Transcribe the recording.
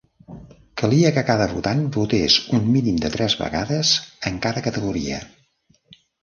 Calia que cada votant votés un mínim de tres vegades en cada categoria.